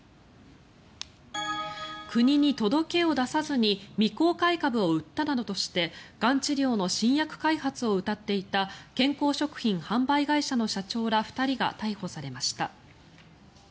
国に届けを出さずに未公開株を売ったなどとしてがん治療の新薬開発をうたっていた健康食品販売会社の社長ら２人が逮捕されました。